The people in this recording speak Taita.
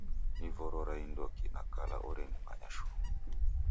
Ni voro ra indoki na kala orenimenya shuu?